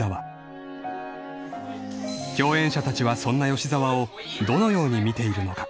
［共演者たちはそんな吉沢をどのように見ているのか？］